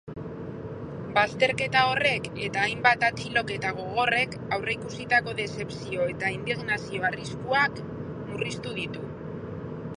Bazterketa horrek eta hainbat atxiloketa gogorrek aurreikusitako dezepzio edo indignazio arriskuak murriztu ditu.